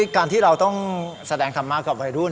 การที่เราต้องแสดงธรรมะกับวัยรุ่น